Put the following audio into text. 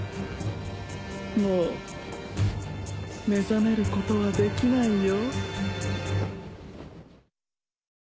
もう目覚めることはできないよ。